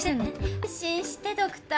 安心してドクター。